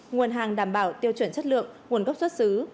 nguồn hàng đảm bảo tiêu chuẩn chất lượng nguồn gốc xuất xứ